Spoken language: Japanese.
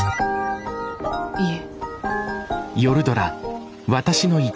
いえ。